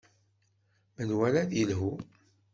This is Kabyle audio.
Menwala ad yelhu.